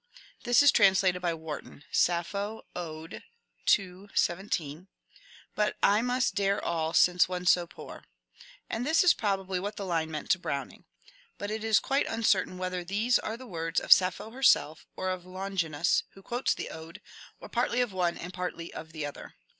This is translated by Wharton (Sappho, Ode ii, 17) :*^ But I must dare all, since one so poor ...," and this is probably what the line meant to Browning. But it is quite uncertain whether these are the words of Sappho herself or of Longinus, who quotes the ode, or partly of one and partly of the other.